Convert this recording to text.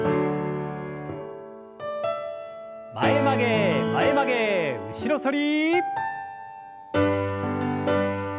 前曲げ前曲げ後ろ反り。